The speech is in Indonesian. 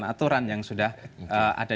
aturan yang sudah ada